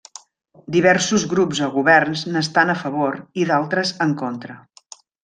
Diversos grups o governs n'estan a favor i d'altres en contra.